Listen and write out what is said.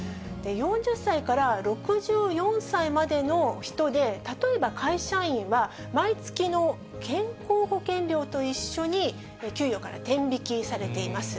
４０歳から６４歳までの人で、例えば、会社員は毎月の健康保険料と一緒に給与から天引きされています。